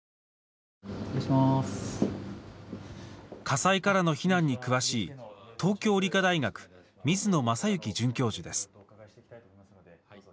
火災からの避難に詳しい東京理科大学水野雅之准教授です。